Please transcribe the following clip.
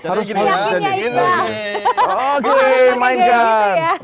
harusnya jadinya iqbal